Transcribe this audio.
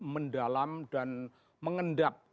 mendalam dan mengendap keseluruhan